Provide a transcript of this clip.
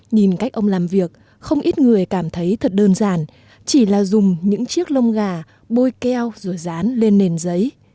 nhìn cách ông làm việc không ít người cảm thấy thật đơn giản chỉ là dùng những chiếc lông gà bôi keo rồi dán lên nền giấy